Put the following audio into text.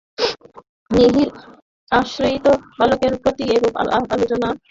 নিরীহ আশ্রিত বালকের প্রতি এইরূপ অত্যাচারে কিরণের মনে অত্যন্ত দয়ার সঞ্চার হইল।